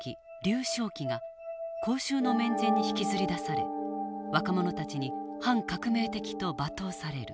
少奇が公衆の面前に引きずり出され若者たちに反革命的と罵倒される。